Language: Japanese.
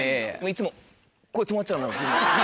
いつもこう止まっちゃう。